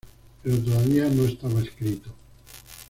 Pero todavía no estaba escrito.